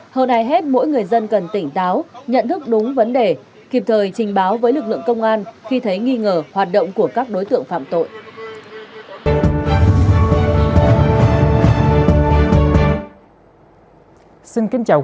hơn ai hết mỗi người dân cần tỉnh táo nhận thức đúng vấn đề kịp thời trình báo với lực lượng công an khi thấy nghi ngờ hoạt động của các đối tượng phạm tội